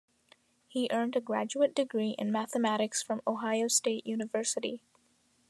He earned a graduate degree in mathematics from Ohio State University.